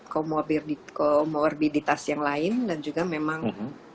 komorbiditas yang lain dan juga memang